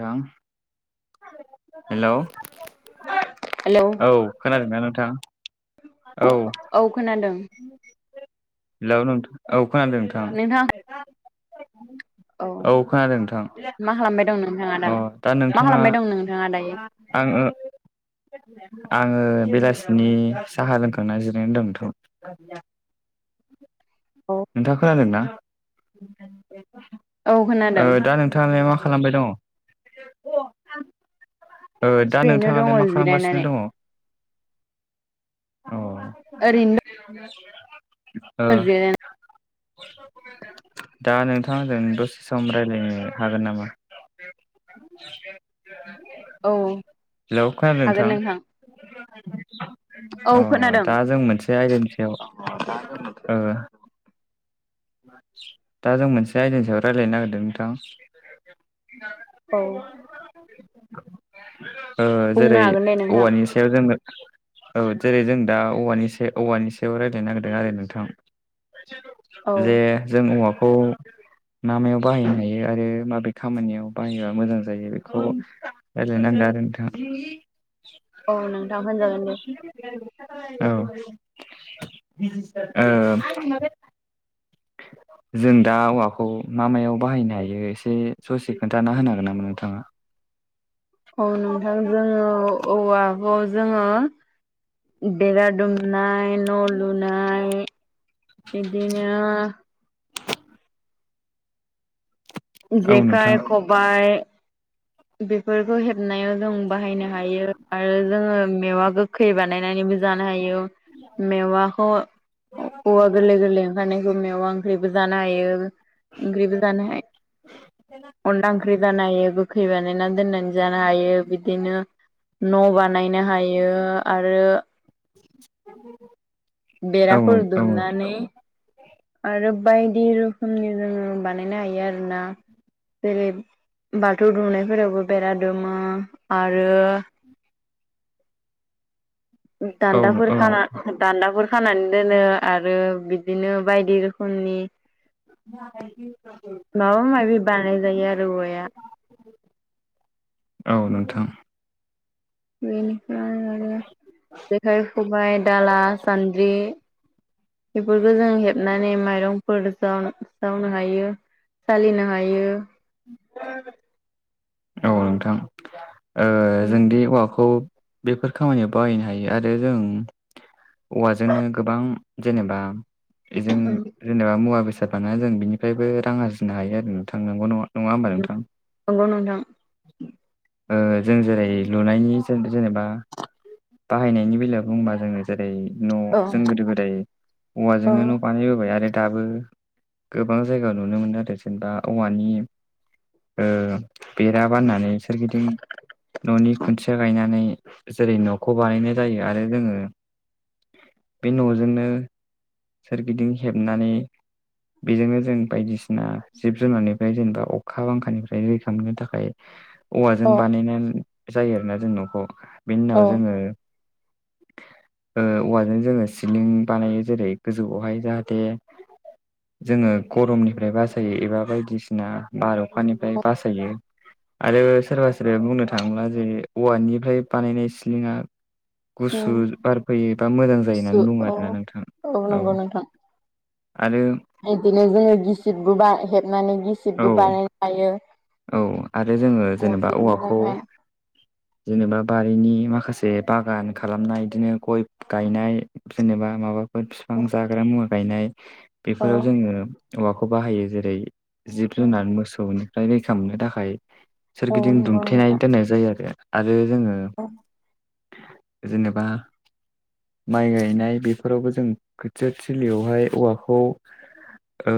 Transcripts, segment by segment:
रां hello hello औ खोनादों ना नोंथां? औ औ खोनादों। हेलौ नोंथां औ खोनादों नोंथां। औ खोनादों नोंथां मा खालामबाय दं नोंथाङा अ दालाय दा मा नोंथाङा खालामबाय दं नोंथाङा दायो आङो आङो बेलासिनि साहा लोंखां ना जिरायनो दंथ' औ। नोंथाङा खोनादों ना? औ खोनादों ओ दा नोंथाङालाय मा खालामबाय दं? ओ दा ओरैनो दङ नोंथाङालाय मा खालामगासिनो जिरायनानै दङ? अ ओ। ओरैनो दङ जिरायनानै [unintelligible] दा नोंथांजों दसे सम रायज्लायनो हागोन नामा? औ हेल' खोनादों नोंथां? औ अ खोनादों दा जों मोनसे आयदानि सायाव ओ दा जों मोनसे आयदानि सायाव रायलायनो नागिरदों नोंथां। औ ओ बुंनो जेरै हागोन दे नोंथां औवानि सा सायाव जोङो औ जेरै जों दा औवानि सा औवानि सायाव रायज्लायनो नागिरदों आरो नोंथां। औ जे जों औवाखौ मा मायाव बाहायनो हायो आरो माबे खामानियाव बाहायबा मोजां जायो बेखौ [unintelligible] आरो नोंथां। औ नोंथां होनजागोन दे। औ। ओ [unintelligible] जों दा औवाखौ मा मायाव बाहायनो हायो एसे ससे खोन्थाना होनो हागोन नामा नोंथाङा? औ नोंथां जोङो औवाखौ जोङो बेरा दुमनाय न' लुनाय, बिदिनो औ नोंथां जेखाय खबाइ बेफोरखौ हेबनायाव जों बाहायनो हायो आरो जोङो मेवा गो खै बानायनानैबो जानो हायो। मेवाखौ ओ औ गोरलै गोरलै ओंखारनायखौ मेवा ओंख्रिबो जानो हायो। ओंख्रिबो जानो हाय, अनला ओंख्रि जानो हायो। खै बानायनानै दोननानै जानो हायो। बिदिनो न' बानायनो हायो आरो [unintelligible] औ बेराफोर औ दुमनानै आरो बायदि रोखोमनि जोङो बानायनो हायो आरोना। जेरै बाथौ दुमनायफोरावबो बेरा दुमो आरो औ दान्दाफोरखाना दान्दाफोर खानानै दोनो आरो बिदिनो बायदि रोखोमनि माबा माबि बानाय जायो आरो औवाया। औ नोंथां। बेनिफ्राय आरो जेखाइ, खबाइ, दाला, सान्द्रि बेफोरखौ जों हेबनानै माइरं फोर जाव जावनो हायो, सालिनो हायो। औ नोंथां ओ जोंदि औवाखौ बेफोर खामानियाव बाहायनो हायो आरो जों औवाजोंनो गोबां जेनेबा बेजों जेनेबा मुवा बेसाद बानायना जों बिनिफ्रायबो रां आरजिनो हायो आरो नोंथां, नंगौ ना नङा? नङा होमबा नोंथां? नंगौ नोंथां। ओ जों जेरै लुनायनि जों जेनेबा बाहायनायनि बेलायाव बुंबा जोङो जेरै न' औ जों गोदो गोदाय औ औवाजोंनो न' बानायबोबाय आरो दाबो गोबां जायगा नुनो मोनो आरो जेनेबा औवानि ओ बेरा बाननानै सोरगिदिं न'नि खुन्थिया गायनानै जेरै न'खौ बानायनाय जायो आरो जोङो बे न'जोंनो सोरगिदिं हेबनानै बेजोंनो जों बायदिसिना जिब जुनारनिफ्राय जेनेबा अखा बांखानिफ्राय जों रैखा खालामनो थाखाय औवाजों बानायनाय जायो आरोना जों नखौ। बेनि औ उनाव जोङो ओ औवाजों जोङो सिलिं बानायो जेरै गोजौआवहाय जाहाथे जोङो गरमनिफ्राय बासायो एबा बायदिसिना बार अखानिफ्राय बासायो। आरो सोरबा सोरबाया बुंनो थाङोब्ला जे औवानिफ्राय बानायनाय सिलिंआ औ गुसु बार फैयो बा मोजां जायो सु होननानै बुङो औ आरोना नोंथाङा। औ। नंगौ नोंथां आरो बिदिनो जोङो गिसिबबो बा हेबनानै औ गिसिबबो बानायनो हायो। औ। आरो जोङो न' जेनेबा सिबनो औवाखौ थाखाय जेनेबा बारिनि माखासे बागान खालामनाय बिदिनो गय गायनाय जेनेबा माबा बे फिफां जाग्रा मुवा गायनाय अ बेफोराव जोङो औवाखौ बाहायो, जेरै औ जिब-जुनार मोसौनिफ्राय रैखा मोननो थाखाय सोरगिदिं नंगौ दुमथेनाय नोंथां दोननाय जायो आरो आरो जोङो औ जेनेबा माइ गायनाय बेफोरावबो जों खोथिया थिलियावहाय औवाखौ ओ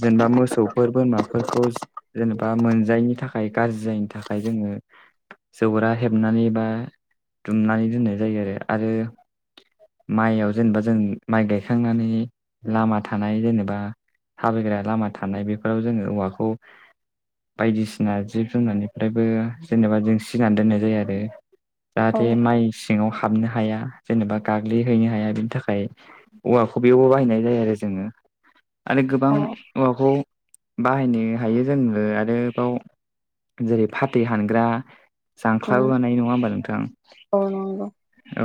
जेनेबा मोसौफोर बोरमाफोरखौ जेनेबा मोनजायैनि थाखाय गाज्रि जायैनि थाखाय जोङो जौरा हेबनानै बा दुमनानै दोननाय जायो आरो आरो माइयाव जेनेबा जों माइ गायखांनानै लामा थानाय जेनेबा थाबायग्रा लामा थानाय बेफोराव जोङो औवाखौ बायदिसिना जिब जुनारनिफ्रायबो जेनेबा जों सिनानै दोननाय जायो आरो औ जाहाथे माइ सिङाव हाबनो हाया जेनेबा गाग्लिहैनो हाया बिनि थाखाय औवाखौबियावबो बाहायनाय जायो आरो जोङो आरो गोबां औ औवाखौ बाहायनो हायो जोङो आरोबाव जेरै फाथै हानग्रा जांख्लाबो उम बानायो नङा होमबा नोंथां औ नंगौ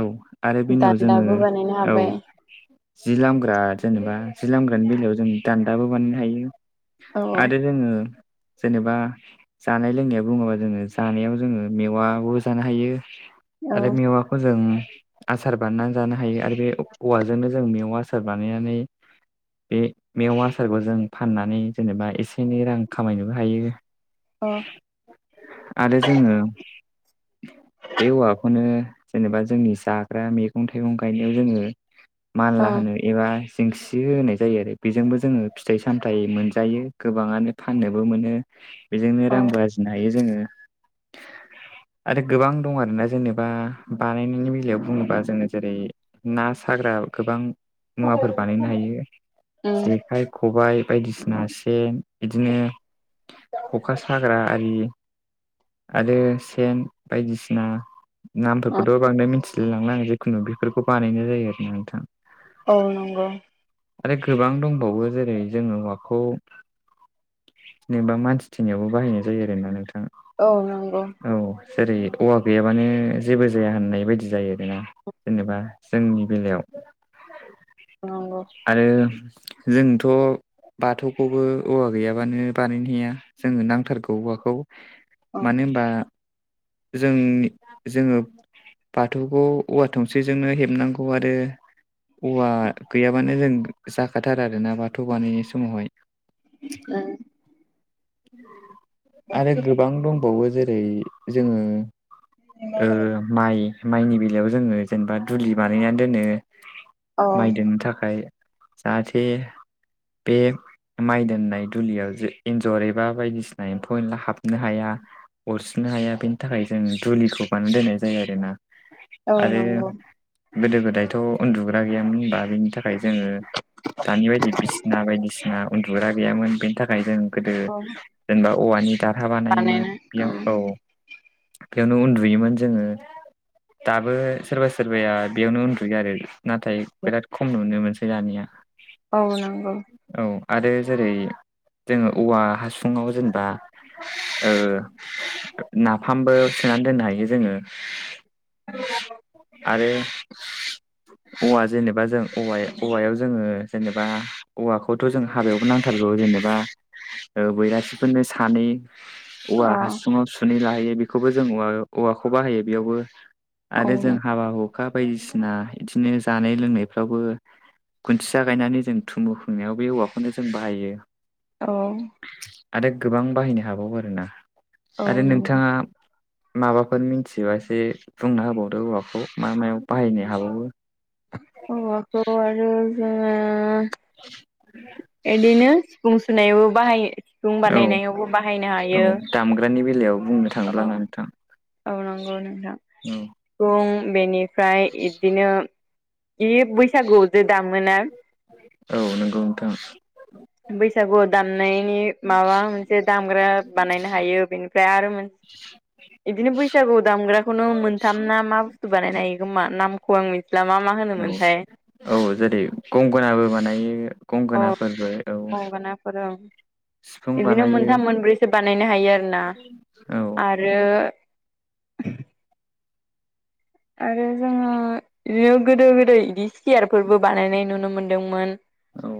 औ आरो बिननाव जोङो दान्दाबो बानायनो औ हाबाय जि लोमग्रा जेनेबा जि लोमग्रानि बेलायाव जों दान्दाबो बानायनो हायो औ आरो जोङो जेनेबा जानाय लोंनाया बुङोबा जोङो जानायाव जोङो मेवो जानो हायो औ आरो मेवा खौ जों आसार बानायनानै जानो हायो आरो बे औवाजोंनो जों मेवआ आसार बानायनानै बे मेव आसारखौ जों फाननानै जेनेबा एसे एनै रां खामायनोबो हायो अ आरो जोङो बे औवाखौनो जेनेबा जोंनि जाग्रा मैगं थाइगं गायनायाव जोङो औ मानला होनो एबा जेंसि होनाय जायो आरो बेजोंबो जोङो फिथाइ सामथाय मोनजायो गोबाङानो फाननोबो मोनो बेजोंनो औ रां बजिनो हायो जोङो आरो गोबां दं आरोना जेनेबा बानायनायनि बेलायाव बुङोबा जोङो जेरै ना साग्रा गोबां मुवाफोर बानायनो हायो उम जेखाइ खबाय बायदिसिना सेन बिदिनो खखा साग्रा आरि आरो सेन बायदिसिना औ नामफोरखौथ' बांद्राय मिथि सिलिलांनोङो जखुनु बेफोरखौ बानायनाय जायो आरोोना नोंथाङा औ नंगौ आरो गोबां दंबावो जेरै जोङो हौवाखौ नोंबा मानसि थनिावबो बाहायनाय जायो आरो ना नोंथाङा औ नंगौ औ जेरै औवा गैयाबानो जेबो जाया होननाय बायदि जायो आरोना जेनेबा जोंनि बेलायाव नंगौ आरो जोंथ' बाथौखौबो औवा गैयाबानो बानायनोहैया जोङो नांथारगौ औवाखौ औ उम मानो होनबा जोंनि जोङो बाथौखौ औवा थंसे्जोंनो हेबनांगौ आरो औवा गैयाबानो जों जाखाथार आरोोना बाथौ बानायनाय समावहाय ओ [unintelligible] आरो गोबां दंबावो जेरै जोङो ओ माइ माइनि बेलायाव जोङो जेनेबा दुलि बानायनानै दोनो औ माइ दोननो थाखाय जाहाथे बे माइ दोननाय दुलियाव जरैबा बायदिसिना एम्फौ एनला हाबनो हाया अरसि्रिनो हाया बेनि थाखाय जों दुलिखौ बानाय दोननाय जायो आरोोना औ आरो नंगौ गोदो गोदायथ' उन्दुग्रा गैयामोन होनबा बेनि थाखाय फ्राय जोङो दानि बायदि बिसिना बायदिसिना उन्दुग्रा गैयामोन बेनि थाखाय जों गोदो औ जेनेबा औवानि दारहा बानायोमोन बेयाव औ बेयावनो उन्दुयोमोन जोङो दाबो सोरबा सोरबाया बेयावनो उन्दुयो आरो नाथाय बिराद खम नुनो मोनसै दानिया मावनांगौ औ आरो जेरै जोङो औवा हासुङाव जेनेबा नाफामबो सोनानै दोननो हायो जोङो ब आरो औवा जेनेबा जों औव औवायाव जोङो जेनेबा औवाखौथ' जों हाबायावबो नांथारगौ जेनेबा बैरासिफोरनो सानै औवा अ हासुङाव सुनै लाहैयो बेखौबो जों औवा औवाखौ बाहायो बेयावबो औ आरो जों हाबा हु अखा बायदिसिना बिदिनो जानाय लोंनायफ्रावबो गुन्थिया गायनानै जों थुमु खुंनायाव बे औवाखौनो जों बाहायो औ आरो गोबां बाहायनो हाबावो आरोोना औ आरो नंगौ नोंथाङा माबाफोर मिथिबा एसे बुंना होबावदो औौवाखौ मा मायाव बाहायनो हाबावो अ माथ आरो आ [inaudible] बिदिनो सिफुं सुनायावबो बाहायो दुं औ बानायनायावबो बाहायनो औ हायो दामग्रानि बेलायाव बुंनो अ थाङोब्लाना नोंथां औनांगौ नोंथां औ फ बेनिफ्राय बिदिनो बे बैसागुआव ज दामोना औ नोंगौ नोंथां बैसागुआव दामनायनि माबा मोनसे दामग्रा बानायनो हायो बेनिफ्राय आरो मोनसे बिदिनो बैसागु दामग्राखौनो मोनथाम ना मा बुस्थु बानायनाय हायो होमा नामखौ आं मिथिला मा मा औ होनोमोनथाय औ जेरै गंगनाबो मानायो औगोन फ [inaudible] सिफुं बिदिनो बानायो मोनथाम मोनब्रैसो बानायनो हायो आरो ना औ आरो आरो जोङो बिदिनो गोदो गोदाय इदि सियारफोरबो बानायनाय नुनो मोनदोंमोन। औ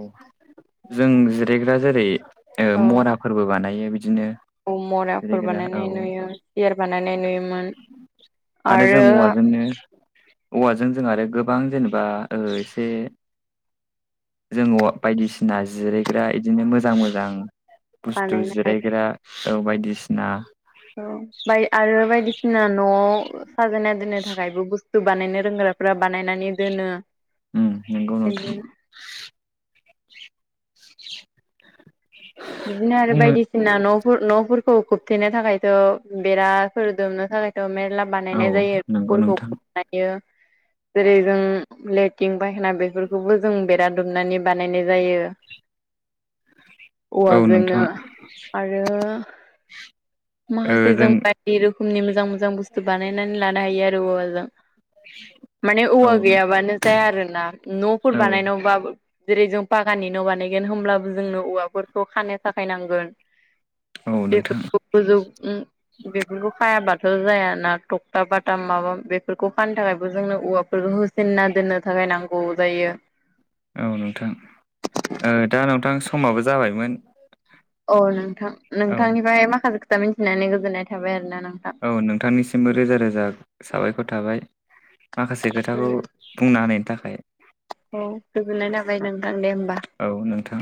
जों जिरायग्रा जेरै औ मराफोरबो बानायो बिदिनो औ मराफोर जिरायग्रा औ बानायनाय नुयो सियार बानायनाय नुयोमोन। जों आरो औवाजोंनो औवाजों जों आरो गोबां जेनेबा ओ एसे जोङो बायदिसिना जिरायग्रा बिदिनो मोजां मोजां बुस्थु बानायनो हायो जिरायग्रा। औ बायदिसिना ाय आरो बायदिसिना न'आव साजायना दोननो थाखायबो बुस्थु बुस्थु बानायनो रोंग्राफ्रा बानायनानै दोनो नोंगौ नोंथां [inaudible] बिदिनो आरो बुंनो बायदिसिना न' न'फोरखौ खोबथेनो थाखायथ' बेरा फोर दुमनो थाखायथ' मेरला औ बानायनाय नंगौ जायोफोरखौ नोंथां जेरै जों लेट्रिन बायहना बेफोरखौबो जों बेराद मोनानै बानायनाय जायो औ औवाजोंनो नोंथां आरो माखासे जों [unintelligible] रोखोमनि मोजां मोजां बुस्थु बानायनानै लानो हायो आरो औवाजों। माने औवा गैयाबानो जाया आरोना नफोर औ बानायनायावबाबो जेरै जों पागाननि बानायगोन हब्लाबो जोंनो औवाफोरखौ खानो थाखाय नांगोन औ बे नोंथां गोजौ उम बेफोरखौ खायाबाथ जाया ना थक्था बाथाम माबा बेफोरखौ खानो थाखायबो जोंनो औवाफोरखौ हो सिन्ना दोननो थाखाय नांगौ जायो। औ नोंथां ओ दा नोंथां समाबो जाबायमोन। औ नोंथां औ नोंथांनिफ्राय माखासे खोथा मिथिनानै गोजोननाय थाबाय आरो ना नोंथां। औ नोंथांनिसिमबो रोजा रोजा साबायखर थाबाय माखासे खोथाखौ बुंना होनायनि थाखाय। औ गोजोननाय जाबाय नोंथां दे होमबा। औ नोंथां।